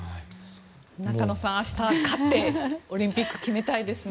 中野さん、明日は勝ってオリンピック決めたいですね。